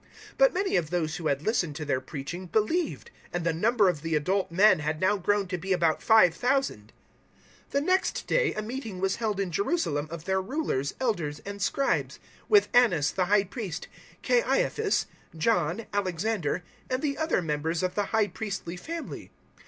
004:004 But many of those who had listened to their preaching believed; and the number of the adult men had now grown to be about 5,000. 004:005 The next day a meeting was held in Jerusalem of their Rulers, Elders, and Scribes, 004:006 with Annas the High Priest, Caiaphas, John, Alexander, and the other members of the high priestly family.